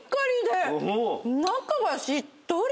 中はしっとり。